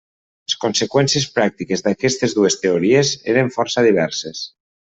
Les conseqüències pràctiques d'aquestes dues teories eren força diverses.